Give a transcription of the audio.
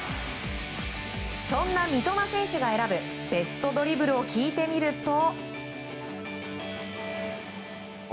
そんな三笘選手が選ぶベストドリブルを聞いてみると。